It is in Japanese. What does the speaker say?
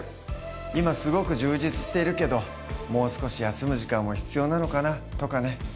今すごく充実しているけどもう少し休む時間も必要なのかな？とかね。